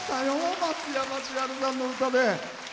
松山千春さんの歌で。